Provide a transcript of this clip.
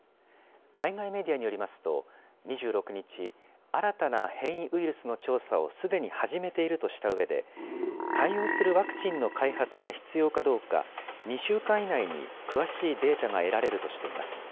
海外メディアによりますと、２６日、新たな変異ウイルスの調査をすでに始めているとしたうえで、対応するワクチンの開発が必要かどうか、２週間以内に詳しいデータが得られるとしています。